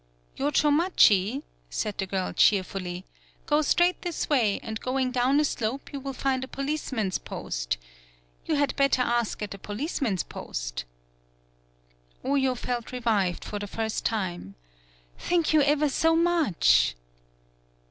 "Yochomachi?" said the girl cheer fully, "Go straight this way, and going down a slope you will find a policeman's post. ... You had better ask at the policeman's post." 86 THE BILL COLLECTING Oyo felt revived for the first time. "Thank you ever so much."